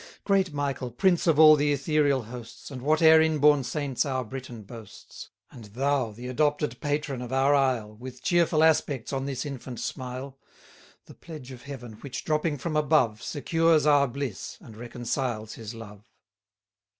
Great Michael, prince of all the ethereal hosts, And whate'er inborn saints our Britain boasts; And thou, the adopted patron of our isle, With cheerful aspects on this infant smile: 150 The pledge of Heaven, which, dropping from above, Secures our bliss, and reconciles his love.